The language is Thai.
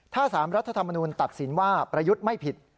ถ้า๓รัฐธรรมนูลตัดสินว่าประยุทธ์ไม่ผิด